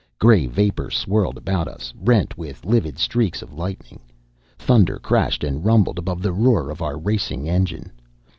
Gray vapor swirled about us, rent with livid streaks of lightning. Thunder crashed and rumbled above the roar of our racing engine.